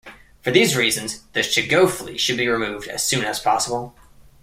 For these reasons, the chigoe flea should be removed as soon as possible.